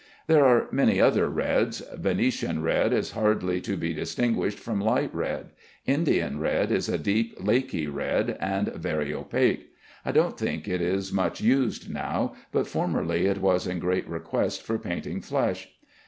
There are many other reds. Venetian red is hardly to be distinguished from light red. Indian red is a deep laky red, and very opaque. I don't think it is much used now, but formerly it was in great request for painting flesh.